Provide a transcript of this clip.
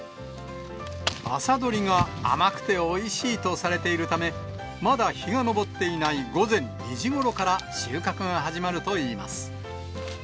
朝取りが甘くておいしいとされているため、まだ日が昇っていない午前２時ごろから収穫が始まるといいます。